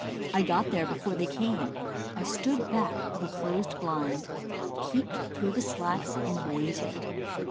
I got there before they came. I stood back of a closed blind, peeped through the slats and waited.